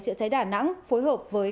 chữa cháy đà nẵng phối hợp với